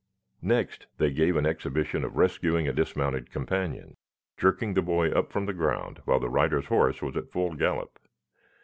Next they gave an exhibition of rescuing a dismounted companion, jerking the boy up from the ground while the rider's horse was at full gallop.